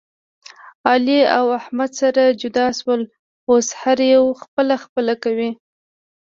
علي او احمد سره جدا شول. اوس هر یو خپله خپله کوي.